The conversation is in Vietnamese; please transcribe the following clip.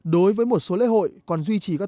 đối với một số lễ hội còn duy trì các tập tục không